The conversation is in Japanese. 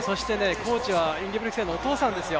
コーチはインゲブリクセンのお父さんですよ。